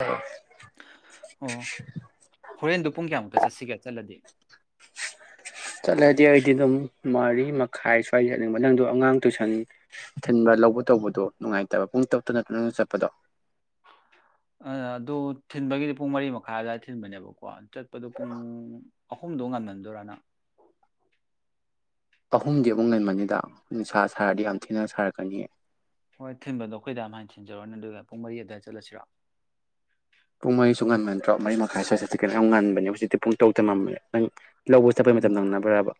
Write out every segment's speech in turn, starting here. ꯑ ꯑꯣ ꯍꯣꯔꯦꯟꯗꯨ ꯄꯨꯡ ꯀꯌꯥꯃꯨꯛ ꯆꯠꯁꯤꯒꯦ ꯆꯠꯂꯗꯤ ꯆꯠꯂꯗꯤ ꯑꯩꯗꯤ ꯑꯗꯨꯝ ꯃꯔꯤ ꯃꯈꯥꯏ ꯁ꯭ꯋꯥꯏꯗ ꯆꯠꯅꯤꯡꯕ ꯅꯪꯗꯣ ꯑꯉꯥꯡ ꯇꯨꯏꯁꯟ ꯊꯤꯟꯕ ꯂꯧꯕ ꯇꯧꯕꯗꯣ ꯅꯨꯡꯉꯥꯏꯇꯕ ꯄꯨꯡ ꯇꯔꯨꯛꯇ ꯅꯠ ꯅꯪꯅ ꯆꯠꯄꯗꯣ ꯑ ꯑꯗꯨ ꯊꯤꯟꯕꯒꯤꯗꯤ ꯄꯨꯡ ꯃꯔꯤ ꯃꯈꯥꯏ ꯑꯗꯨꯋꯥꯏꯗ ꯊꯤꯟꯕꯅꯦꯕꯀꯣ ꯆꯠꯄꯗꯣ ꯄꯨꯡ ꯑꯍꯨꯝꯗꯣ ꯉꯝꯃꯟꯗꯣꯔꯥ ꯅꯪ ꯑꯍꯨꯝꯗꯤ ꯑꯃꯨꯛ ꯉꯟꯃꯟꯅꯤꯗ ꯅꯤꯁꯥ ꯁꯥꯔꯗꯤ ꯌꯥꯝ ꯊꯤꯅ ꯁꯥꯔꯛꯀꯅꯤꯌꯦ ꯍꯣꯏ ꯊꯤꯟꯕꯗꯣ ꯑꯩꯈꯣꯏ ꯗꯥꯟ ꯃꯥꯏꯟ ꯊꯤꯟꯖꯔꯣꯅꯤ ꯑꯗꯨꯒ ꯄꯨꯡ ꯃꯔꯤ ꯑꯗꯨꯋꯥꯏ ꯆꯠꯂꯁꯤꯔꯣ ꯄꯨꯡ ꯃꯔꯤꯁꯨ ꯉꯟꯃꯟꯗ꯭ꯔꯣ ꯄꯨꯡ ꯃꯔꯤ ꯃꯈꯥꯏ ꯁ꯭ꯋꯥꯏꯆꯠꯁꯤ ꯀꯩꯅ ꯌꯥꯝ ꯉꯟꯕꯅꯦ ꯍꯧꯖꯤꯛꯇꯤ ꯄꯨꯡ ꯇꯔꯨꯛꯇ ꯃꯝꯕꯅꯦ ꯅꯪ ꯂꯧꯕ ꯆꯠꯄꯩ ꯃꯇꯝ ꯅꯪꯅꯕꯔꯥꯕ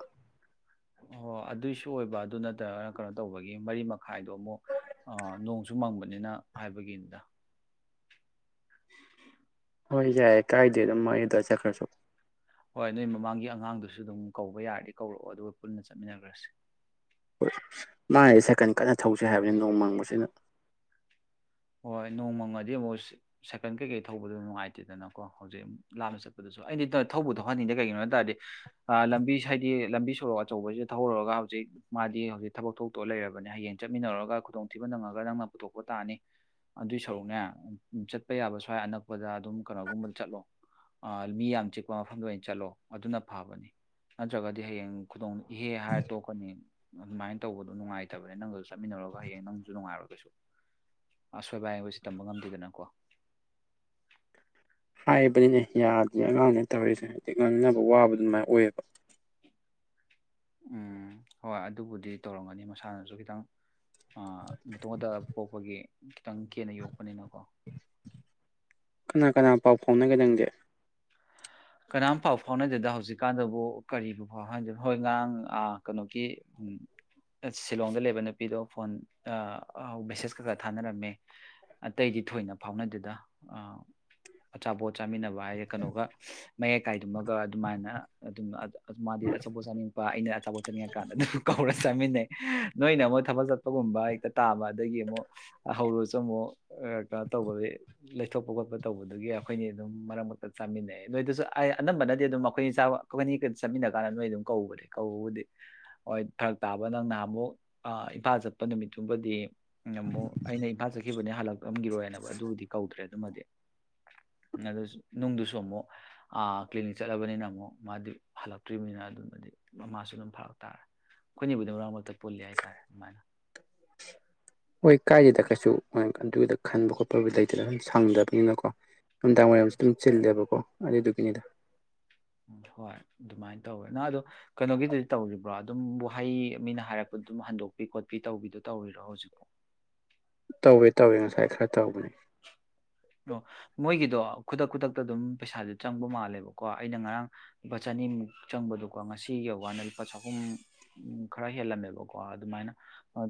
ꯑꯣ ꯑꯗꯨꯏꯁꯨ ꯑꯣꯏꯕ ꯑꯗꯨ ꯅꯠꯇ꯭ꯔꯒ ꯀꯩꯅꯣ ꯇꯧꯕꯒꯤ ꯃꯔꯤ ꯃꯈꯥꯏꯗꯣ ꯑꯃꯨꯛ ꯅꯣꯡꯁꯨ ꯃꯪꯕꯅꯤꯅ ꯍꯥꯏꯕꯒꯤꯅꯤꯗ ꯍꯣꯏ ꯌꯥꯏꯦ ꯀꯥꯏꯗꯦ ꯑꯗꯨꯝ ꯃꯔꯤ ꯑꯗꯥꯏꯆꯠꯈ꯭ꯔꯁꯨ ꯍꯣꯏ ꯅꯣꯏ ꯃꯃꯥꯡꯒꯤ ꯑꯉꯥꯡꯗꯨꯁꯨ ꯑꯗꯨꯝ ꯀꯧꯕ ꯌꯥꯔꯗꯤ ꯀꯧꯔꯛꯑꯣ ꯑꯗꯨꯒ ꯄꯨꯟꯅ ꯆꯠꯃꯤꯟꯅꯈ꯭ꯔꯁꯥ ꯍꯣꯏ ꯃꯥꯟꯍꯥꯏꯁꯦ ꯁꯥꯏꯀꯜ ꯀꯟꯅ ꯊꯧꯁꯦ ꯍꯥꯏꯕꯅꯦ ꯅꯣꯡꯃꯪꯕꯁꯤꯅ ꯍꯣꯏ ꯅꯣꯡꯃꯪꯉꯗꯤ ꯑꯃꯨꯛ ꯁꯥꯏꯀꯜ ꯀꯩꯀꯩ ꯊꯧꯕꯗꯣ ꯅꯨꯡꯉꯥꯏꯇꯦꯗꯅꯀꯣ ꯍꯧꯖꯤꯛ ꯂꯥꯞꯅ ꯆꯠꯄꯗꯁꯨ ꯑꯩꯗꯤ ꯊꯧꯕꯨ ꯊꯧꯍꯟꯅꯤꯡꯗꯦ ꯀꯩꯒꯤꯅꯣ ꯍꯥꯏ ꯇꯥꯔꯗꯤ ꯂꯝꯕꯤꯁ ꯍꯥꯏꯗꯤ ꯂꯝꯕꯤ ꯁꯣꯔꯣꯛ ꯑꯆꯧꯕꯁꯤꯗ ꯊꯧꯔꯨꯔꯒ ꯍꯧꯖꯤꯛ ꯃꯥꯗꯤ ꯍꯧꯖꯤꯛ ꯊꯕꯛ ꯊꯣꯛꯇꯣꯛꯑ ꯂꯩꯔꯕꯅꯦ ꯍꯌꯦꯡ ꯆꯠꯃꯤꯟꯅꯔꯨꯔꯒ ꯈꯨꯗꯣꯡꯊꯤꯕ ꯅꯪꯉꯒ ꯅꯪꯅ ꯄꯨꯊꯣꯛꯄ ꯇꯥꯅꯤ ꯑꯗꯨꯏ ꯁꯔꯨꯛꯅꯦ ꯆꯠꯄ ꯌꯥꯕ ꯁ꯭ꯋꯥꯏ ꯑꯅꯛꯄꯗ ꯑꯗꯨꯝ ꯀꯩꯅꯣꯒꯨꯝꯕ ꯆꯠꯂꯣ ꯃꯤ ꯌꯥꯝ ꯆꯤꯛꯄ ꯃꯐꯝꯗ ꯑꯣꯏꯅ ꯆꯠꯂꯣ ꯑꯗꯨꯅ ꯐꯕꯅꯤ ꯅꯠꯇ꯭ꯔꯒꯗꯤ ꯍꯌꯦꯡ ꯈꯨꯗꯣꯡ ꯏꯍꯦ ꯍꯥꯏꯔ ꯇꯣꯛꯀꯅꯤ ꯑꯗꯨꯃꯥꯏꯅ ꯇꯧꯕꯗꯣ ꯅꯨꯡꯉꯥꯏꯇꯕꯅꯤ ꯅꯪꯒꯁꯨ ꯆꯠꯃꯤꯟꯅꯔꯨꯔꯒ ꯍꯌꯦꯡ ꯅꯪꯁꯨ ꯅꯨꯡꯉꯥꯏꯔꯣ ꯀꯩꯁꯨ ꯑꯁꯣꯏꯕ ꯍꯥꯏꯕꯁꯤ ꯇꯝꯕ ꯉꯝꯗꯦꯗꯅꯀꯣ ꯍꯥꯏꯕꯅꯤꯅꯦ ꯌꯥꯗꯦ ꯑꯉꯥꯡꯅꯦ ꯇꯧꯔꯤꯁꯦ ꯍꯥꯏꯗꯤ ꯉꯥꯡꯅꯕ ꯋꯥꯕ ꯑꯗꯨꯃꯥꯏꯅ ꯑꯣꯏꯌꯦꯕ ꯎꯝ ꯍꯣꯏ ꯑꯗꯨꯕꯨꯗꯤ ꯇꯧꯔꯝꯒꯅꯤ ꯃꯁꯥꯅꯁꯨ ꯈꯤꯇꯪ ꯑ ꯃꯇꯣꯝ ꯈꯛꯇ ꯄꯣꯛꯄꯒꯤ ꯈꯤꯇꯪ ꯀꯦꯅ ꯌꯣꯛꯄꯅꯤꯅꯀꯣ ꯀꯅꯥ ꯀꯅꯥ ꯄꯥꯎ ꯐꯥꯎꯅꯒꯦ ꯅꯪꯗꯤ ꯀꯅꯥꯝꯐꯥꯎ ꯐꯥꯎꯅꯗꯦꯗ ꯍꯧꯖꯤꯛꯀꯥꯟꯗꯕꯨ ꯀꯔꯤꯕꯨ ꯐꯥꯎ ꯐꯥꯎꯗ ꯍꯣꯏ ꯉꯔꯥꯡ ꯀꯩꯅꯣꯒꯤ ꯁꯤꯂꯣꯡꯗ ꯂꯩꯕ ꯅꯨꯄꯤꯗꯣ ꯐꯣꯟ ꯑ ꯑ ꯃꯦꯁꯦꯁ ꯀꯩꯀꯥ ꯊꯥꯅꯔꯝꯃꯦ ꯑꯇꯩꯗꯤ ꯊꯣꯏꯅ ꯐꯥꯎꯅꯗꯦꯗ ꯑꯆꯥꯄꯣꯠ ꯆꯥꯃꯤꯟꯅꯕ ꯍꯥꯏꯔꯦ ꯀꯩꯅꯣꯒ ꯃꯌꯥꯏ ꯀꯥꯏꯗꯨꯃꯒ ꯑꯗꯨꯃꯥꯏꯅ ꯑꯗꯨꯝ ꯃꯥꯗꯤ ꯑꯆꯥꯄꯣꯠ ꯆꯥꯅꯤꯡꯉꯛꯄ ꯑꯩꯅ ꯑꯆꯥꯄꯣꯠ ꯆꯥꯅꯤꯡꯉꯛꯀꯥꯟꯗ ꯑꯗꯨꯝ ꯀꯧꯔ ꯆꯥꯃꯤꯟꯅꯩ ꯅꯣꯏꯅ ꯑꯃꯨꯛ ꯊꯕꯜ ꯆꯠꯄꯒꯨꯝꯕ ꯍꯦꯛꯇ ꯇꯥꯕ ꯑꯗꯒꯤ ꯑꯃꯨꯛ ꯍꯧꯔꯁꯨ ꯑꯃꯨꯛ ꯀꯩꯅꯣ ꯇꯧꯕ ꯂꯩꯊꯣꯛꯄ ꯈꯣꯠꯄ ꯇꯧꯕꯗꯨꯒꯤ ꯑꯩꯈꯣꯏꯅꯤ ꯑꯗꯨꯝ ꯃꯔꯛ ꯃꯔꯛꯇ ꯆꯥꯃꯤꯟꯅꯩ ꯅꯣꯏꯗꯁꯨ ꯑꯗꯨ ꯑꯩ ꯑꯅꯝꯕꯅꯗꯤ ꯑꯗꯨꯝ ꯑꯩꯈꯣꯏ ꯆꯥꯕ ꯑꯩꯈꯣꯏꯅꯤꯒ ꯆꯠꯃꯤꯟꯅ ꯀꯥꯟꯗ ꯅꯣꯏ ꯑꯗꯨꯝ ꯀꯧꯕꯅꯦ ꯀꯧꯕꯨꯗꯤ ꯍꯣꯏ ꯐꯔꯛ ꯇꯥꯕ ꯅꯪꯅꯍꯥꯃꯨꯛ ꯑꯥ ꯏꯝꯐꯥꯜ ꯆꯠꯄ ꯅꯨꯃꯤꯠꯇꯨꯕꯨꯗꯤ ꯑꯃꯨꯛ ꯑꯩꯅ ꯏꯝꯐꯥꯜ ꯆꯠꯈꯤꯕꯅꯦ ꯍꯜꯂꯛꯑꯝꯒꯤꯔꯣꯏꯅꯦꯕ ꯑꯗꯨꯕꯨꯗꯤ ꯀꯧꯗ꯭ꯔꯦ ꯑꯗꯨꯃꯗꯤ ꯑꯗꯨꯁꯨ ꯅꯨꯡꯗꯨꯁꯨ ꯑꯃꯨꯛ ꯑꯥ ꯀ꯭ꯂꯤꯅꯤꯛ ꯆꯠꯂꯕꯅꯤꯅ ꯑꯃꯨꯛ ꯃꯥꯗꯤ ꯍꯜꯂꯛꯇ꯭ꯔꯤꯕꯅꯤꯅ ꯑꯗꯨꯃꯗꯤ ꯃꯃꯥꯁꯨ ꯑꯗꯨꯝ ꯐꯔꯛ ꯇꯥꯔꯦ ꯑꯩꯈꯣꯏꯅꯤꯕꯨꯗꯤ ꯃꯔꯛ ꯃꯔꯛꯇ ꯄꯨꯜꯂꯤ ꯍꯥꯏꯇꯥꯔꯦ ꯑꯗꯨꯃꯥꯏꯅ ꯍꯣꯏ ꯀꯥꯏꯗꯦꯗ ꯀꯩꯁꯨ ꯑꯗꯨꯒꯤꯗ ꯈꯟꯕ ꯈꯣꯠꯄꯕꯨꯗꯤ ꯂꯩꯇꯦꯗ ꯑꯗꯨꯝ ꯁꯪꯗꯕꯅꯤꯅꯀꯣ ꯎꯝ ꯅꯨꯝꯗꯥꯡꯋꯥꯏꯔꯝꯁꯨ ꯗꯨꯝ ꯆꯤꯜꯂꯦꯕ ꯑꯣ ꯑꯗꯨꯗꯨꯒꯤꯅꯤꯗ ꯍꯣꯏ ꯑꯗꯨꯃꯥꯏꯟ ꯇꯧꯋꯦ ꯅꯪ ꯑꯗꯣ ꯀꯩꯅꯣꯒꯤꯗꯨꯗꯤ ꯇꯧꯔꯤꯕ꯭ꯔꯣ ꯑꯗꯨꯝ ꯋꯥꯍꯩ ꯃꯤꯅ ꯍꯥꯏꯔꯛꯄꯗ ꯑꯗꯨꯝ ꯍꯟꯗꯣꯛꯄꯤ ꯈꯣꯠꯄꯤ ꯇꯧꯕꯤꯗꯣ ꯇꯧꯔꯤꯔꯣ ꯍꯧꯖꯤꯛꯐꯥꯎ ꯇꯧꯋꯦ ꯇꯧꯋꯦ ꯉꯁꯥꯏ ꯈꯔ ꯇꯧꯕꯅꯦ ꯑꯣ ꯃꯣꯏꯒꯤꯗꯣ ꯈꯨꯗꯛ ꯈꯨꯗꯛꯇ ꯑꯗꯨꯝ ꯄꯩꯁꯥꯗꯤ ꯆꯪꯕ ꯃꯥꯜꯂꯦꯕꯀꯣ ꯑꯩꯅ ꯉꯔꯥꯡ ꯂꯨꯄꯥ ꯆꯅꯤꯃꯨꯛ ꯆꯪꯕꯗꯣꯀꯣ ꯉꯁꯤ ꯌꯧꯒꯥꯟꯗ ꯂꯨꯄꯥ ꯆꯍꯨꯝ ꯈꯔ ꯍꯦꯜꯂꯝꯃꯦꯕꯀꯣ ꯑꯗꯨꯃꯥꯏꯅ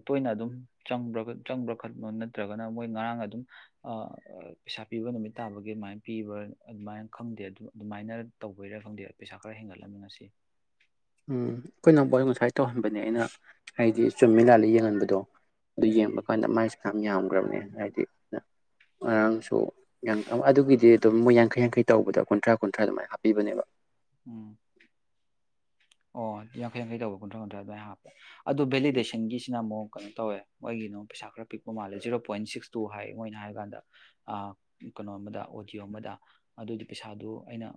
ꯇꯣꯏꯅ ꯑꯗꯨꯝ ꯆꯪꯕ꯭ꯔꯥ ꯈꯣꯠꯄ꯭ꯔ ꯅꯠꯇ꯭ꯔꯒꯅ ꯃꯣꯏ ꯉꯔꯥꯡ ꯑꯗꯨꯝ ꯑꯥꯑ ꯄꯩꯁꯥ ꯄꯤꯕ ꯅꯨꯃꯤꯠ ꯇꯥꯕꯒꯤ ꯑꯗꯨꯃꯥꯏꯅ ꯄꯤꯕ꯭ꯔꯥ ꯑꯗꯨꯃꯥꯏꯅ ꯈꯪꯗꯦ ꯑꯗꯨꯃꯥꯏꯅ ꯇꯧꯕꯩꯔꯥ ꯈꯪꯗꯦ ꯄꯩꯁꯥ ꯈꯔ ꯍꯦꯟꯒꯠꯂꯝꯃꯦ ꯉꯁꯤ ꯎꯝ ꯑꯩꯈꯣꯏ ꯅꯥꯎꯕꯥ ꯉꯁꯥꯏ ꯇꯧꯍꯟꯕꯅꯦ ꯑꯩꯅ ꯎꯝ ꯍꯥꯏꯗꯤ ꯆꯨꯝꯃꯤ ꯂꯥꯜꯂꯤ ꯌꯦꯡꯍꯟꯕ ꯗꯣ ꯗꯣ ꯑꯗꯨ ꯎꯝ ꯌꯦꯡꯕ ꯀꯥꯟꯗ ꯃꯥꯏ ꯌꯥꯝ ꯌꯥꯝꯈ꯭ꯔꯕꯅꯦ ꯍꯥꯏꯗꯤ ꯉꯔꯥꯡꯁꯨ ꯑꯗꯨꯒꯤꯗꯤ ꯑꯗꯨꯝ ꯃꯣꯏ ꯌꯥꯡꯈꯩ ꯌꯥꯡꯈꯩ ꯇꯧꯕꯗ ꯀꯨꯟꯊ꯭ꯔꯥ ꯀꯨꯟꯊ꯭ꯔꯥ ꯑꯗꯨꯃꯥꯏꯅ ꯍꯥꯞꯄꯤꯕꯅꯦꯕ ꯎꯝ ꯑꯣ ꯌꯥꯡꯈꯩ ꯌꯥꯡꯈꯩ ꯇꯧꯕ ꯀꯨꯟꯊ꯭ꯔꯥ ꯀꯨꯟꯊ꯭ꯔꯥ ꯑꯗꯨꯃꯥꯏꯅ ꯍꯥꯞꯄ ꯑꯗꯣ ꯕꯦꯂꯤꯗꯦꯁꯟꯒꯤꯁꯤꯅ ꯑꯃꯨꯛ ꯀꯩꯅꯣ ꯇꯧꯋꯦ ꯃꯣꯏꯒꯤꯅꯣ ꯄꯩꯁꯥ ꯈꯔ ꯄꯤꯛꯄ ꯃꯥꯜꯂꯦ ꯖꯤꯔꯣ ꯄꯣꯏꯟ ꯁꯤꯛꯁ ꯇꯨ ꯍꯥꯏ ꯃꯣꯏꯅ ꯍꯥꯏꯔ ꯀꯥꯟꯗ ꯀꯩꯅꯣ ꯑꯃꯗ ꯑꯣꯗꯤꯌꯣ ꯑꯃꯗ ꯑꯗꯨꯗꯤ ꯄꯩꯁꯥꯗꯨ ꯑꯩꯅ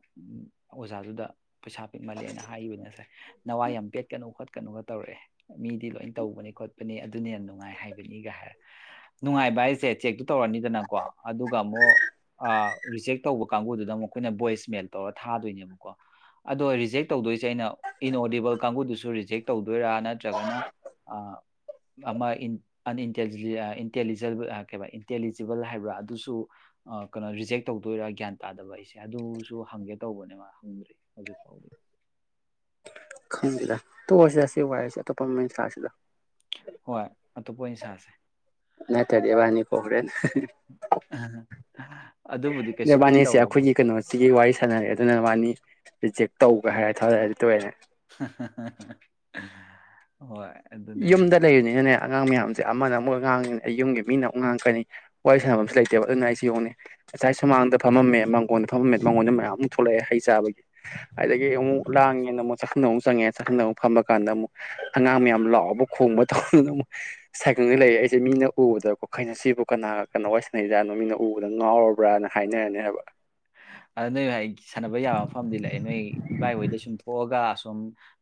ꯑꯣꯖꯥꯗꯨꯗ ꯄꯩꯁꯥ ꯄꯤꯛꯃꯜꯂꯦꯅ ꯍꯥꯏ ꯅꯋꯥꯏ ꯌꯥꯝꯄꯦꯠ ꯀꯅꯨ ꯀꯩꯅꯣꯒ ꯇꯧꯔꯛꯑꯦ ꯃꯤꯗꯤ ꯂꯣꯏ ꯇꯧꯕꯅꯤ ꯈꯣꯠꯄꯅꯤ ꯑꯗꯨꯅꯤ ꯌꯥꯝ ꯅꯨꯡꯉꯥꯏ ꯍꯥꯏꯕꯅꯤꯒ ꯍꯥꯏꯔ ꯅꯨꯡꯉꯥꯏꯕ ꯍꯥꯏꯁꯦ ꯆꯦꯛꯇꯨ ꯇꯧꯔꯅꯤꯗꯅꯀꯣ ꯑꯗꯨꯒ ꯑꯃꯨꯛ ꯔꯤꯖꯦꯛ ꯇꯧꯕ ꯀꯥꯡꯕꯨꯗꯨꯗ ꯑꯃꯨꯛ ꯑꯩꯈꯣꯏꯅ ꯚꯣꯏꯁ ꯃꯦꯜ ꯇꯧꯔ ꯊꯥꯗꯣꯏꯅꯦꯕꯀꯣ ꯑꯗꯣ ꯔꯤꯖꯦꯛ ꯇꯧꯗꯣꯏꯁꯦ ꯑꯩꯅ ꯏꯟꯑꯣꯗꯤꯕꯜ ꯀꯥꯡꯕꯨꯗꯨꯁꯨ ꯔꯤꯖꯦꯛ ꯇꯧꯗꯣꯏꯔ ꯅꯠꯇ꯭ꯔꯒꯅ ꯑꯃ ꯏꯟꯇꯦꯖꯦꯜ ꯀꯩꯕ ꯏꯟꯇꯦꯂꯤꯖꯤꯕꯜ ꯍꯥꯏꯕ꯭ꯔꯥ ꯑꯗꯨꯁꯨ ꯀꯩꯅꯣ ꯔꯤꯖꯦꯛ ꯇꯧꯗꯣꯏꯔꯥ ꯒ꯭ꯌꯥꯟ ꯇꯥꯗꯕ ꯑꯩꯁꯦ ꯑꯗꯨꯁꯨ ꯍꯪꯒꯦ ꯇꯧꯕꯅꯦ ꯕ ꯍꯪꯗ꯭ꯔꯤ ꯍꯧꯖꯤꯛ ꯐꯥꯎꯗꯤ ꯈꯪꯗ ꯗ ꯇꯣꯛ ꯑꯁꯦ ꯁꯤ ꯋꯔꯤꯁꯦ ꯑꯇꯣꯄꯥ ꯑꯃ ꯁꯥꯁꯦꯗꯥ ꯑꯣꯏ ꯁꯥꯁꯦ ꯅꯠꯇꯔꯥ ꯗꯤ ꯏꯕꯅꯤ ꯄꯔꯣꯕꯂꯦꯝ ꯑꯗꯨꯕꯨꯗꯤ ꯀꯩꯁꯨꯕꯨꯗꯤ ꯏꯕꯥꯅꯤꯁꯦ ꯇꯧꯔꯣꯏꯗ ꯑꯩꯈꯣꯏꯒꯤ ꯀꯩꯅꯣꯁꯤꯒꯤ ꯋꯥꯔꯤ ꯁꯥꯟꯅꯔꯦ ꯑꯗꯨꯅꯕꯥꯅꯤ ꯔꯤꯖꯦꯛ ꯇꯧꯒꯦ ꯍꯥꯏꯔ ꯊꯔꯦ ꯑꯗꯨ ꯇꯣꯏꯔꯅꯦ [unintelligible] ꯍꯣꯏ ꯑꯗꯨꯅꯦ ꯌꯨꯝꯗ ꯂꯩ ꯔ ꯅꯤ ꯅ ꯅꯦ ꯑꯉꯥꯡ ꯃꯌꯥꯝꯁꯦ ꯑꯃꯅ ꯑꯃꯨꯛ ꯉꯥꯡꯉꯅꯤꯅ ꯑꯩ ꯌꯨꯝꯒꯤ ꯃꯤꯅ ꯑꯃꯨꯛ ꯉꯥꯡꯉꯛꯀꯅꯤ ꯋꯥꯔꯤ ꯁꯥꯟꯅꯕꯁꯨ ꯂꯩꯇꯦꯕ ꯑꯗꯨꯅ ꯑꯩꯁꯨ ꯌꯦꯡꯉꯦ ꯉꯁꯥꯏ ꯁꯨꯃꯥꯡ ꯈꯣꯡꯕ ꯇꯧꯗꯅ ꯑꯃꯛ ꯁꯥꯏꯀꯪꯗ ꯂꯩꯔ ꯑꯩꯁꯦ ꯃꯤꯅ ꯎꯕꯗꯀꯣ ꯀꯔꯤꯅꯣ ꯁꯤꯕꯨ ꯀꯅꯥ ꯀꯅ ꯋꯥꯏꯁꯅꯩꯖꯥꯠꯅꯣ ꯃꯤꯅ ꯎꯕꯗ ꯉꯥꯎꯔꯕ꯭ꯔꯥꯅ ꯍꯥꯏꯅꯔꯅꯤ ꯍꯥꯏꯕꯥ ꯑ ꯅꯣꯏ ꯁꯥꯟꯅꯕ ꯌꯥꯕ ꯃꯐꯝꯗꯤ ꯂꯩꯔꯦ ꯅꯣꯏ ꯏꯕꯥꯏꯍꯣꯏꯗ ꯁꯨꯝ ꯊꯣꯛꯑꯒ ꯁꯨꯝ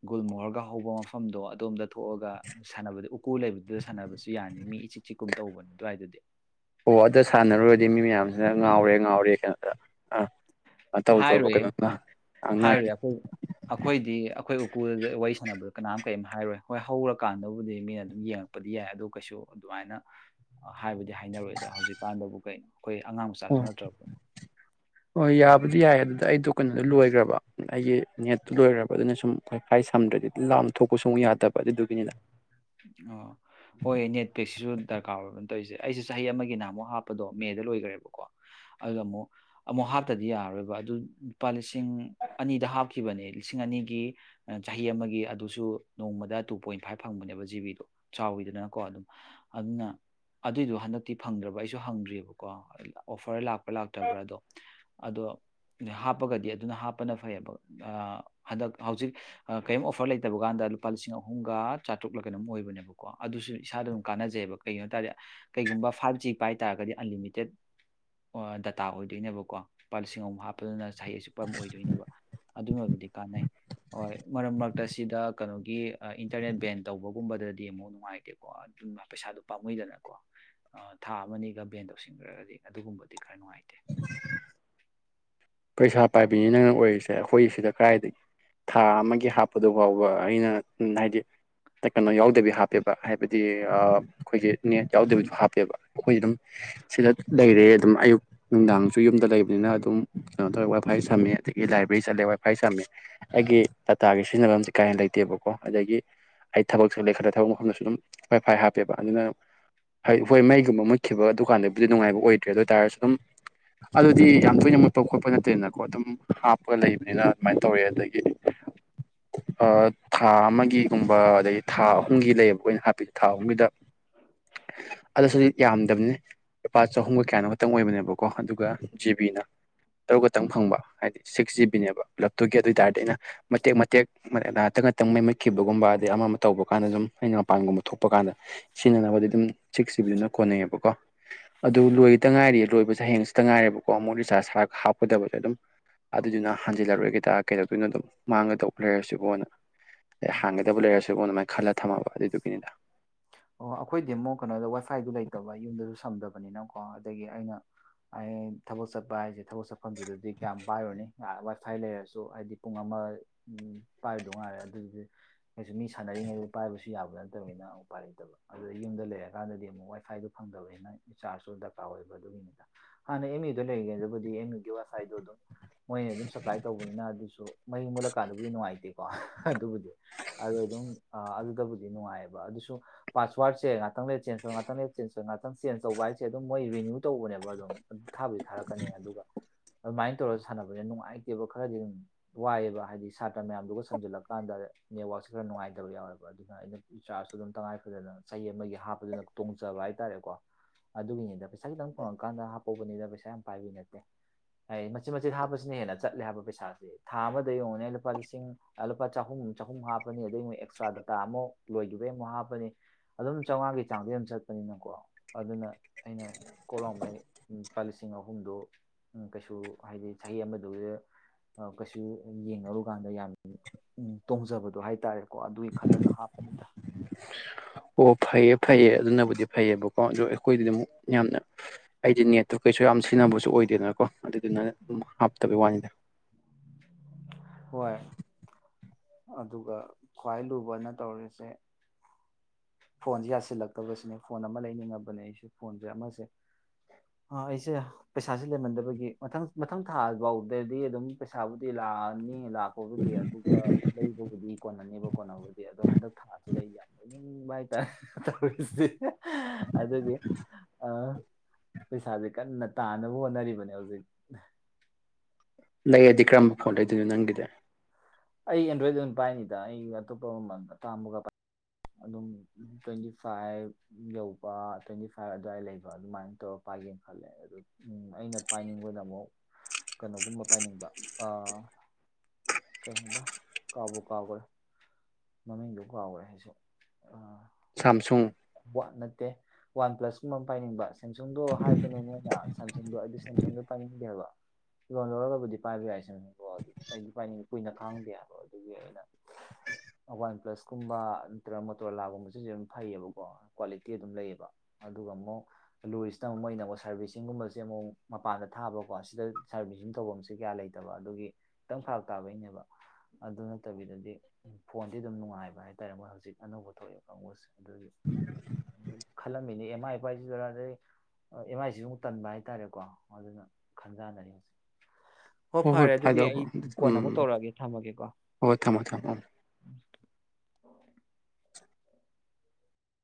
ꯒꯨꯜ ꯃꯣꯔꯒ ꯍꯧꯕ ꯃꯐꯝꯗꯣ ꯑꯗꯣꯝꯗ ꯊꯣꯛꯑꯒ ꯁꯥꯟꯅꯕꯗꯤ ꯎꯀꯨ ꯂꯩꯕꯗꯨꯗ ꯁꯥꯟꯅꯕꯁꯨ ꯌꯥꯅꯤ ꯃꯤ ꯏꯆꯤꯛ ꯆꯤꯛꯀꯨꯝ ꯇꯧꯕꯅꯤ ꯑꯗꯨꯋꯥꯏꯗꯗꯤ ꯁꯤꯅ ꯉꯥꯎꯔꯦ ꯉꯥꯎꯔꯦ ꯀꯩꯅꯣꯗ ꯑꯥ ꯇꯧꯗ꯭ꯔꯣꯕ ꯍꯥꯏꯔꯨꯌꯦ ꯀꯩꯅꯣꯗ ꯍꯥꯏꯔꯨꯏ ꯉꯥꯡꯅꯔꯅꯤ ꯑꯩꯈꯣꯏ ꯑꯩꯈꯣꯏꯗꯤ ꯑꯩꯈꯣꯏ ꯁ꯭ꯀꯨꯜ ꯋꯥꯔꯤ ꯁꯥꯟꯅꯕꯗ ꯀꯅꯥꯝ ꯀꯔꯤꯝ ꯍꯥꯏꯔꯣꯏ ꯍꯣꯏ ꯍꯧꯔꯀꯥꯟꯗꯕꯨꯗꯤ ꯃꯤꯅ ꯑꯗꯨꯝ ꯌꯦꯡꯉꯛꯄꯗꯤ ꯌꯥꯏ ꯑꯗꯨꯣ ꯀꯩꯁꯨ ꯑꯗꯨꯃꯥꯏꯅ ꯍꯥꯏꯕꯗꯤ ꯍꯥꯏꯅꯔꯣꯏꯗ ꯍꯧꯖꯤꯛꯀꯥꯟꯗꯕꯨ ꯀꯩ ꯑꯩꯈꯣꯏ ꯑꯉꯥꯡ ꯃꯆꯥꯁꯨ ꯑꯣ ꯅꯠꯇ꯭ꯔꯕ ꯑꯗꯨꯗꯤ ꯌꯥꯏꯌꯦ ꯑꯗꯨꯗ ꯑꯩꯗꯣ ꯀꯩꯅꯣꯗꯣ ꯂꯣꯏꯈ꯭ꯔꯕ ꯑꯩꯒꯤ ꯅꯦꯠꯇꯨ ꯂꯣꯏꯈ꯭ꯔꯕ ꯑꯗꯨꯅ ꯁꯨꯝ ꯋꯥꯏ ꯐꯥꯏ ꯁꯝꯗ꯭ꯔꯗꯤ ꯂꯥꯞꯅ ꯊꯣꯛꯄ ꯁꯨ ꯌꯥꯗꯕ ꯑꯗꯨꯗꯨꯒꯤꯅꯤꯗ ꯑꯥ ꯍꯣꯏ ꯅꯦꯠ ꯀꯩꯁꯤꯁꯨ ꯗꯔꯀꯥꯔ ꯑꯣꯏꯕꯅ ꯇꯧꯔꯤꯁꯦ ꯑꯩꯁꯦ ꯆꯍꯤ ꯑꯃꯒꯤꯅꯍ ꯑꯃꯨꯛ ꯍꯥꯞꯄꯗꯣ ꯃꯦꯗ ꯂꯣꯏꯈ꯭ꯔꯦꯕꯀꯣ ꯑꯗꯨ ꯑꯃꯨꯛ ꯑꯃꯨꯛ ꯍꯥꯞꯇꯗꯤ ꯌꯥꯔꯔꯣꯏꯕ ꯑꯗꯨ ꯂꯨꯄꯥ ꯂꯤꯁꯤꯡ ꯁꯤꯡ ꯑꯅꯤꯗ ꯍꯥꯞꯈꯤ ꯈꯤꯕꯅꯦ ꯂꯤꯁꯤꯡ ꯑꯅꯤꯒꯤ ꯆꯍꯤ ꯑꯃꯒꯤ ꯑꯗꯨꯁꯨ ꯅꯣꯡꯃꯗ ꯇꯨ ꯄꯣꯏꯟ ꯐꯥꯏꯚ ꯐꯪꯕꯅꯦꯕ ꯖꯤꯕꯤꯗꯣ ꯆꯥꯎꯋꯤꯗꯅꯀꯣ ꯑꯗꯨꯝ ꯑꯗꯨꯅ ꯑꯗꯨꯏꯗꯣ ꯍꯟꯗꯛꯇꯤ ꯐꯪꯗ꯭ꯔꯕ ꯑꯩꯁꯨ ꯍꯪꯗ꯭ꯔꯤꯑꯕꯀꯣ ꯑꯣꯐꯔ ꯂꯥꯛꯄ ꯂꯥꯛꯇꯕ꯭ꯔꯥ ꯑꯗꯣ ꯑꯗꯣ ꯍꯥꯞꯄꯒꯗꯤ ꯑꯗꯨꯅ ꯍꯥꯞꯄꯅ ꯐꯩꯑꯕ ꯍꯟꯗꯛ ꯍꯧꯖꯤꯛ ꯀꯔꯤꯝ ꯑꯣꯐꯔ ꯂꯩꯇꯕ ꯀꯥꯟꯗ ꯂꯨꯄꯥ ꯂꯤꯁꯤꯡ ꯑꯍꯨꯝꯒ ꯆꯥꯇ꯭ꯔꯨꯛ ꯂꯛ ꯀꯩꯅꯣꯝ ꯑꯣꯏꯕꯅꯦꯕꯀꯣ ꯑꯗꯨꯁꯨ ꯏꯁꯥꯗ ꯑꯗꯨꯝ ꯀꯥꯟꯅꯖꯩꯑꯕ ꯀꯩꯒꯤꯅꯣ ꯍꯥꯏ ꯇꯥꯔꯗꯤ ꯀꯩꯒꯨꯝꯕ ꯐꯥꯏꯚ ꯖꯤ ꯄꯥꯏ ꯍꯥꯏ ꯇꯥꯔꯒꯗꯤ ꯑꯟꯂꯤꯃꯤꯇꯦꯠ ꯗꯇꯥ ꯑꯣꯏꯗꯣꯏꯅꯦꯕꯀꯣ ꯂꯨꯄꯥ ꯂꯤꯁꯤꯡ ꯑꯨꯛ ꯍꯥꯞꯄꯗꯅ ꯉꯁꯥꯏ ꯑꯁꯨꯛꯄꯝ ꯑꯣꯏꯗꯣꯏꯅꯦꯕ ꯑꯗꯨꯃꯕꯨꯗꯤ ꯀꯥꯟꯅꯩ ꯍꯣꯏ ꯃꯔꯛ ꯃꯔꯛꯇ ꯁꯤꯗ ꯀꯩꯅꯣꯒꯤ ꯏꯟꯇꯔꯅꯦꯠ ꯕꯦꯟ ꯇꯧꯕꯒꯨꯝꯕꯗꯗꯤ ꯑꯃꯨꯛ ꯅꯨꯡꯉꯥꯏꯇꯦꯀꯣ ꯑꯗꯨ ꯄꯩꯁꯥꯗꯣ ꯄꯥꯝꯃꯏꯗꯅꯀꯣ ꯊꯥ ꯑꯃꯅꯤꯒ ꯚꯦꯟ ꯇꯧꯁꯤꯟꯈ꯭ꯔꯒꯗꯤ ꯑꯗꯨꯒꯨꯝꯕꯗꯤ ꯈꯔ ꯅꯨꯡꯉꯥꯏꯇꯦ ꯄꯩꯁꯥ ꯄꯥꯏꯕꯤꯅꯤ ꯅꯪꯅ ꯑꯣꯏꯔꯤꯁꯦ ꯑꯩꯈꯣꯏ ꯁꯤꯗ ꯀꯗꯥꯏꯗꯒꯤ ꯊꯥ ꯑꯃꯒꯤ ꯍꯥꯞꯄꯗꯨ ꯐꯥꯎꯕ ꯑꯩꯅ ꯍꯥꯏꯗꯤ ꯀꯩꯅꯣ ꯌꯥꯎꯗꯕꯤ ꯍꯥꯞꯄꯦꯕ ꯍꯥꯏꯕꯗꯤ ꯑꯩꯈꯣꯏꯁꯦ ꯅꯦꯠ ꯌꯥꯎꯗꯕꯤꯗꯣ ꯍꯥꯞꯄꯦꯕ ꯑꯩꯈꯣꯏ ꯑꯗꯨꯝ ꯁꯤꯗ ꯂꯩꯔꯦ ꯑꯗꯨꯝ ꯑꯌꯨꯛ ꯅꯨꯡꯗꯥꯡꯁꯨ ꯌꯨꯝꯗ ꯂꯩꯕꯅꯤꯅ ꯑꯗꯨꯝ ꯀꯩꯅꯣ ꯇꯧꯔꯦ ꯋꯥꯏ ꯐꯥꯏ ꯁꯝꯃꯦ ꯑꯗꯒꯤ ꯂꯥꯏꯕ꯭ꯔꯦꯔꯤ ꯆꯠꯂꯦ ꯋꯥꯏ ꯐꯥꯏ ꯁꯝꯃꯤ ꯑꯩꯒꯤ ꯇꯇꯥꯒꯤ ꯁꯤꯖꯤꯟꯅꯕ ꯑꯝꯇ ꯀꯥꯏ ꯍꯦ ꯂꯩꯇꯦꯕꯀꯣ ꯑꯗꯒꯤ ꯑꯩ ꯊꯕꯛ ꯆꯠꯂꯦ ꯈꯜꯂ ꯊꯕꯛ ꯃꯐꯝꯗꯁꯨ ꯑꯗꯨꯝ ꯋꯥꯏ ꯐꯥꯏ ꯍꯥꯞꯄꯦꯕ ꯑꯗꯨꯅ ꯍꯣꯏ ꯃꯩꯒꯨꯝꯕ ꯃꯨꯠꯈꯤꯕ ꯗꯨꯀꯥꯟꯗꯕꯨꯗꯤ ꯅꯨꯡꯉꯥꯏꯕ ꯑꯣꯏꯗ꯭ꯔꯦ ꯑꯗꯨ ꯑꯣꯏ ꯇꯥꯔꯁꯨ ꯑꯗꯨꯝ ꯑꯗꯨꯗꯤ ꯌꯥꯝ ꯇꯣꯏꯅ ꯍꯥꯞꯄ ꯈꯣꯠꯄ ꯅꯠꯇꯦꯅꯀꯣ ꯑꯗꯨꯝ ꯍꯥꯞꯄꯒ ꯂꯩꯕꯅꯤꯅ ꯑꯗꯨꯃꯥꯏꯅ ꯇꯧꯋꯦ ꯑꯗꯒꯤ ꯊꯥ ꯑꯃꯒꯤꯒꯨꯝꯕ ꯑꯗꯒꯤ ꯊꯥ ꯑꯍꯨꯝꯒꯤ ꯂꯩꯌꯦꯕ ꯑꯩꯅ ꯍꯥꯞꯄꯤ ꯊꯥ ꯑꯍꯨꯝꯒꯤꯗ ꯑꯗꯁꯨ ꯌꯥꯝꯗꯕꯅꯤ ꯂꯨꯄꯥ ꯆꯍꯨꯝꯒ ꯀꯌꯥꯅꯣ ꯈꯛꯇꯪ ꯑꯣꯏꯕꯅꯦꯕꯀꯣ ꯑꯗꯨꯒ ꯖꯤꯕꯤꯅ ꯇꯔꯨꯛ ꯈꯛꯇꯪ ꯐꯪꯕ ꯍꯥꯏꯗꯤ ꯁꯤꯛꯁ ꯖꯤꯕꯤꯅꯦꯕ ꯄꯨꯂꯞꯇꯨꯒꯤ ꯑꯗꯨ ꯑꯣꯏ ꯇꯥꯔꯗꯤ ꯑꯩꯅ ꯃꯇꯦꯛ ꯃꯇꯦꯛ ꯉꯍꯥꯛꯇ ꯉꯥꯛꯇ ꯃꯩ ꯃꯠꯈꯤꯕꯒꯨꯝꯕ ꯑꯗꯩ ꯑꯃ ꯑꯃ ꯇꯧꯕ ꯀꯥꯟꯗ ꯑꯗꯨꯨꯝ ꯑꯩꯅ ꯃꯄꯥꯟꯒꯨꯝꯕ ꯊꯣꯛꯄ ꯀꯥꯟꯗ ꯁꯤꯖꯤꯟꯅꯅꯕꯗꯤ ꯑꯗꯨꯝ ꯆꯤꯛꯁꯤꯕꯤꯗꯨꯅ ꯀꯣꯟꯅꯩꯑꯦꯕꯀꯣ ꯑꯗꯨ ꯂꯣꯏꯗ ꯉꯥꯏꯔꯤ ꯂꯣꯏꯕꯁꯦ ꯍꯌꯦꯁꯤꯇ ꯉꯥꯏꯔꯦꯕꯀꯣ ꯑꯃꯨꯛ ꯔꯤꯆꯥꯔꯖꯄ ꯍꯥꯞꯀꯗꯕꯅꯤ ꯑꯗꯨꯝ ꯑꯗꯨꯗꯨꯅ ꯍꯟꯖꯤꯜꯂꯛꯔꯨꯔꯒꯦ ꯀꯩꯗꯧꯇꯣꯏꯅꯣ ꯑꯗꯨꯝ ꯃꯥꯡꯒꯗꯧ ꯂꯩꯔꯁꯤꯕꯣꯅ ꯑꯦ ꯍꯥꯡꯒꯗꯕ ꯂꯩꯔꯁꯨꯕꯣꯟ ꯑꯗꯨꯃꯥꯏꯅ ꯈꯜꯂ ꯊꯝꯃꯕ ꯑꯗꯨꯏꯗꯨ ꯄꯗ ꯑꯣ ꯑꯩꯈꯣꯏ ꯗꯦꯃꯣ ꯀꯩꯅꯣꯗ ꯋꯥꯏꯐꯥꯏꯗꯨ ꯂꯩꯇꯕ ꯌꯨꯝꯗꯁꯨ ꯁꯝꯗꯕ ꯀꯣ ꯑꯗꯒꯤ ꯑꯩꯅ ꯊꯕꯛ ꯆꯠꯄ ꯍꯥꯏꯁꯦ ꯊꯕꯛ ꯁꯛꯐꯝꯗꯨꯗꯗꯤ ꯀꯌꯥꯝ ꯄꯥꯏꯔꯨꯅꯤ ꯋꯥꯏ ꯐꯥꯏ ꯂꯩꯔꯁꯨ ꯍꯥꯏꯗꯤ ꯄꯨꯡ ꯑꯃ ꯄꯥꯏꯔꯗꯧ ꯉꯥꯏꯔꯦ ꯑꯗꯨꯗꯤ ꯀꯩꯁꯨ ꯃꯤ ꯁꯅꯔꯤꯉꯩꯗ ꯄꯥꯏꯕꯁꯨ ꯌꯥꯕ ꯅꯠꯇ [unintelligible] ꯂꯩꯇꯕ ꯑꯗꯨꯗ ꯌꯨꯝꯗ ꯂꯩꯔꯀꯥꯟꯗꯗꯤ ꯑꯃꯨꯛ ꯋꯥꯏ ꯐꯥꯏꯗꯣ ꯐꯪꯗꯕꯅꯤꯅ ꯔꯤꯆꯥꯔꯖꯁꯨ ꯗꯔꯀꯥꯔ ꯑꯣꯏꯕ ꯑꯗꯨꯒꯤꯅꯤꯗ ꯍꯥꯟꯅ ꯑꯦꯝ ꯌꯨꯗ ꯂꯩꯒꯦꯗꯕꯨꯗꯤ ꯑꯦꯝ ꯌꯨꯒꯤ ꯋꯥꯏꯐꯥꯏꯗꯣ ꯑꯗꯨꯝ ꯃꯣꯏꯅ ꯑꯗꯨꯝ ꯁꯄ꯭ꯂꯥꯏ ꯇꯧꯕꯅꯤꯅ ꯑꯗꯨꯁꯨ ꯃꯩ ꯃꯨꯠꯂꯀꯥꯟꯗꯕꯨꯗꯤ ꯅꯨꯡꯉꯥꯏꯇꯦꯀꯣ ꯑꯗꯨꯕꯨꯗꯤ ꯑꯗꯨ ꯑꯗꯨꯝ ꯑꯗꯨꯗꯕꯨ ꯅꯨꯡꯉꯥꯏꯑꯕ ꯑꯗꯨꯁꯨ ꯄꯥꯁꯋꯥꯔꯁ ꯉꯇꯪ ꯂꯩ ꯆꯦꯟ ꯇꯧ ꯉꯥꯛꯇꯪ ꯆꯦꯟꯧ ꯉꯥꯛꯇꯪ ꯆꯦꯟ ꯇꯧꯕ ꯍꯥꯏꯁꯦ ꯑꯗꯨ ꯃꯣꯏ ꯔꯤꯅꯌꯨ ꯑꯗꯨ ꯇꯧꯕꯅꯦꯕ ꯑꯗꯨꯝ ꯊꯥꯕꯁ ꯊꯥꯔꯛꯀꯅꯤ ꯑꯗꯨꯒ ꯑꯗꯨꯃꯥꯏꯅ ꯇꯧꯔꯒ ꯁꯥꯟꯅꯕꯅꯤꯅ ꯅꯨꯡꯉꯥꯏꯇꯦꯕ ꯈꯔꯗꯤ ꯑꯗꯨꯝ ꯋꯥꯏꯑꯦꯕ ꯍꯥꯏꯗꯤ ꯁꯥꯇ꯭ꯔ ꯃꯌꯥꯝꯗꯨꯒ ꯁꯝꯖꯜꯂꯛꯀꯥꯟꯗ ꯅꯦꯠꯋꯥꯛꯁꯦ ꯈꯔ ꯅꯨꯡꯉꯥꯏꯇꯕ ꯌꯥꯎꯋꯦꯕ ꯑꯗꯨꯅ ꯑꯩꯅ ꯆꯥꯔꯖꯁꯨ ꯑꯗꯨꯝ ꯇꯉꯥꯏ ꯐꯗꯅ ꯆꯍꯤ ꯑꯃꯒꯤ ꯍꯥꯞꯄꯗꯨꯅ ꯇꯣꯡꯖꯕ ꯍꯥꯏꯇꯥꯔꯦꯀꯣ ꯑꯗꯨꯒꯤꯅꯤꯗ ꯄꯩꯁꯥ ꯈꯤꯇꯪ ꯐꯪꯉꯛꯀꯥꯟꯗ ꯍꯥꯞꯄꯧꯕꯅꯤꯅ ꯄꯩꯁꯥ ꯌꯥꯝ ꯄꯥꯏꯕꯤ ꯅꯠꯇꯦ ꯍꯥꯏ ꯃꯆꯤꯟꯠ ꯃꯆꯦꯠ ꯍꯥꯞꯄꯁꯤꯅ ꯍꯦꯟꯅ ꯆꯠꯂꯦ ꯍꯥꯏꯕ ꯄꯩꯁꯥꯁꯤꯦ ꯊꯥ ꯑꯃꯗ ꯌꯡꯉꯅ ꯂꯨꯄꯥ ꯂꯤꯁꯤꯡ ꯂꯨꯄꯥ ꯆꯍꯨꯝ ꯆꯍꯨꯝ ꯍꯥꯞꯄꯅꯤ ꯑꯗꯨꯩ ꯑꯃꯨꯛ ꯑꯦꯛꯁꯇ꯭ꯔꯥ ꯗꯗꯥꯇꯥ ꯑꯃꯨꯛ ꯂꯣꯏꯈꯤꯕꯩ ꯑꯃꯨꯛ ꯍꯥꯞꯄ ꯍꯥꯞꯄꯅꯤ ꯑꯗꯨꯝ ꯆꯥꯝꯃꯉꯥꯒꯤ ꯆꯥꯡꯗꯤ ꯑꯗꯨꯝ ꯆꯠꯄꯅꯤꯅꯀꯣ ꯑꯗꯨꯅ ꯑꯩꯅ ꯀꯣꯂꯥꯎꯃꯩ ꯂꯨꯄꯥ ꯂꯤꯁꯤꯡ ꯑꯍꯨꯝꯗꯣ ꯀꯩꯁꯨ ꯍꯥꯏꯗꯤ ꯆꯍꯤ ꯑꯃꯗꯨ ꯀꯩꯁꯨ ꯌꯦꯡꯅꯔꯨꯀꯥꯟꯗ ꯌꯥꯝ ꯇꯣꯡꯖꯕꯗꯣ ꯍꯥꯏꯇꯥꯔꯦꯀꯣ ꯑꯗꯨꯒꯤ ꯈꯜꯂꯒ ꯍꯥꯞꯄꯅꯤꯗ ꯑꯣ ꯐꯩꯌꯦ ꯐꯩꯌꯦ ꯑꯗꯨꯅꯕꯨꯗꯤ ꯐꯩꯌꯦꯕꯀꯣ ꯑ ꯑꯩꯈꯣꯏꯗꯤ ꯑꯃꯨꯛ ꯌꯥꯝꯅ ꯑꯩꯗꯤ ꯅꯦꯠꯇꯨ ꯀꯩꯁꯨ ꯌꯥꯝ ꯁꯤꯖꯤꯟꯅꯕꯁꯨ ꯑꯣꯏꯗꯦꯗꯅꯀꯣ ꯑꯗꯨꯅ [unintelligible] ꯍꯣꯏ ꯑꯗꯨꯒ ꯈ꯭ꯋꯥꯏ ꯂꯨꯕꯅ ꯇꯧꯔꯤꯁꯦ ꯐꯣꯟꯁꯦ ꯌꯥꯁꯤꯜꯂꯛꯇꯕꯁꯤꯅꯦ ꯐꯣꯟ ꯑꯃ ꯂꯩꯅꯤꯡꯉꯕꯅꯦ ꯑꯩꯁꯦ ꯐꯣꯟꯁꯦ ꯑꯃꯁꯦ ꯑꯩꯁꯦ ꯄꯩꯁꯥꯁꯦ ꯂꯩꯃꯟꯗꯕꯒꯤ ꯃꯊꯪ ꯃꯊꯪ ꯊꯥ ꯐꯥꯎꯗꯗꯤ ꯑꯗꯨꯝ ꯄꯩꯁꯥꯕꯨꯗꯤ ꯂꯥꯛꯑꯅꯤ ꯂꯥꯛꯄꯕꯨꯗꯤ ꯑꯗꯨꯒ ꯂꯩꯕꯕꯨꯗꯤ ꯀꯣꯟꯅꯅꯦꯕ ꯀꯣꯟꯅꯕꯨꯗꯤ ꯑꯗꯣ ꯍꯟꯗꯛ ꯊꯥꯁꯤꯗ ꯑꯩ ꯌꯥꯝ ꯂꯣꯏꯅꯤꯡꯕ ꯍꯥꯏꯇꯥꯔꯦ ꯇꯧꯔꯤꯁꯦ ꯑꯗꯨꯒꯤ ꯄꯩꯁꯥꯁꯦ ꯀꯟꯅ ꯇꯥꯅꯕ ꯍꯣꯠꯅꯔꯤꯕꯅꯦ ꯍꯧꯖꯤꯛ ꯂꯩꯔꯗꯤ ꯀꯔꯝꯕ ꯐꯣꯟ ꯂꯩꯗꯣꯏꯅꯣ ꯅꯪꯒꯤꯗꯤ ꯑꯩ ꯑꯦꯟꯗ꯭ꯔꯣꯏꯗ ꯑꯗꯨꯝ ꯄꯥꯏꯅꯤꯗ ꯑꯩ ꯑꯇꯣꯞꯄ ꯃꯃꯜ ꯑꯥꯝꯕꯒ ꯄꯥꯏ ꯑꯗꯨꯝ ꯇ꯭ꯋꯦꯟꯇꯤ ꯐꯥꯏꯚ ꯌꯧꯕ ꯇ꯭ꯋꯦꯟꯇꯤ ꯐꯥꯏꯚ ꯑꯗꯨꯋꯥꯏ ꯂꯩꯕ ꯑꯗꯨꯃꯥꯏꯅ ꯇꯧꯔꯒ ꯄꯥꯏꯒꯦꯅ ꯈꯜꯂꯦ ꯑꯗꯨꯗ ꯑꯩꯅ ꯄꯥꯏꯅꯤꯡꯕꯗ ꯑꯃꯨꯛ ꯀꯩꯅꯣꯒꯨꯝꯕ ꯄꯥꯏꯅꯤꯡꯕ ꯀꯩꯒꯕ ꯀꯥꯎꯕ ꯀꯥꯎꯈ꯭ꯔꯦ ꯃꯃꯤꯡꯗꯨ ꯀꯥꯎꯈ꯭ꯔꯦ ꯍꯥꯏꯁꯨ ꯑ ꯁꯥꯝꯁꯨꯡ ꯋꯥꯠ ꯅꯠꯇꯦ ꯋꯥꯟ ꯄ꯭ꯂꯁ ꯀꯨꯝꯕ ꯑꯃ ꯄꯥꯏꯅꯤꯡꯕ ꯁ ꯁꯦꯝꯁꯨꯡꯗꯣ ꯍꯥꯏꯕꯅꯤꯉꯣꯏꯅ ꯁꯁꯨꯡꯗꯣ ꯍꯥꯏꯗꯤ ꯁꯦꯝꯁꯨꯡꯗꯣ ꯄꯥꯏꯅꯤꯡꯗꯦꯕ ꯂꯣꯟ ꯂꯧꯔꯒꯕꯨꯗꯤ ꯄꯥꯏꯕ ꯌꯥꯏꯁꯤꯅꯤꯀꯣ ꯑꯗꯨ ꯑꯩꯗꯤ ꯄꯥꯏꯅꯤꯡꯉꯦ ꯀꯨꯏꯅ ꯈꯥꯡꯗꯦꯕ ꯑꯗꯨꯒꯤ ꯑꯩꯅ ꯋꯥꯟ ꯄ꯭ꯂꯁꯀꯨꯝꯕ ꯅꯠꯇ꯭ꯔꯒ ꯃꯣꯇꯣꯔꯂꯥꯒꯨꯝꯕꯕꯁꯤꯁꯨ ꯑꯗꯨꯝ ꯐꯩꯌꯦꯕ ꯀ ꯀ꯭ꯋꯥꯂꯤꯇꯤ ꯑꯗꯨꯝ ꯂꯩꯌꯦꯕ ꯑꯗꯨꯒ ꯑꯃꯨꯛ ꯂꯣꯏꯁꯤꯅ ꯑꯃꯨꯛ ꯃꯣꯏꯅꯀꯣ ꯁꯥꯔꯚꯤꯁꯤꯡꯒꯨꯝꯕꯁꯦ ꯑꯃꯨꯛ ꯃꯄꯥꯟꯗ ꯊꯥꯕꯀꯣ ꯁꯤꯗ ꯁꯥꯔꯚꯤꯁꯤꯡ ꯇꯧꯐꯝꯁꯦ ꯀꯌꯥ ꯂꯩꯇꯕ ꯑꯗꯨꯒꯤ ꯈꯤꯇꯪ ꯐꯔꯥꯛ ꯇꯥꯕꯩꯅꯦꯕ ꯑꯗꯨ ꯅꯠꯇꯕꯤꯗꯗꯤ ꯐꯣꯟꯗꯤ ꯑꯗꯨꯝ ꯅꯨꯡꯉꯥꯏꯕ ꯍꯥꯏꯇꯥꯔꯦ ꯃꯣꯏ ꯍꯧꯖꯤꯛ ꯑꯅꯧꯕ ꯊꯣꯛꯑꯦ ꯀꯥꯡꯕꯨꯁꯦ ꯑꯗꯨꯗꯤ ꯈꯜꯂꯝꯃꯤꯅꯤ ꯑꯦꯝ ꯑꯥꯏ ꯄꯥꯏꯁꯤ ꯔꯥ ꯑꯗꯩ ꯑꯦꯝ ꯑꯥꯏꯁꯤꯁꯨ ꯑꯃꯨꯛ ꯇꯟꯕ ꯍꯥꯏꯇꯥꯔꯦꯀꯣ ꯑꯗꯨꯅ ꯈꯟꯖꯅꯔꯤ ꯍꯧꯖꯤꯛ ꯍꯣ ꯍꯣꯏ ꯍꯣꯏ ꯐꯔꯦ ꯑꯗꯨꯗꯤ ꯐꯥꯏꯗ ꯑꯩ ꯀꯣꯟꯅ ꯎꯝ ꯑꯃꯨꯛ ꯇꯧꯔꯛꯑꯒꯦ ꯊꯝꯃꯒꯦꯀꯣ ꯍꯣꯏ ꯍꯣꯏ ꯊꯝꯃꯣ ꯊꯝꯃꯣ ꯎꯝ